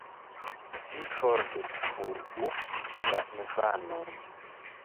Vi forte skuu la infanon